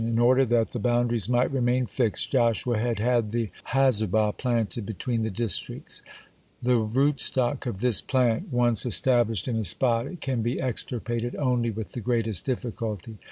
(47) In order that the boundaries might remain fixed, Joshua had had the Hazubah (48) planted between the districts. The rootstock of this plant once established in a spot, it can be extirpated only with the greatest difficulty.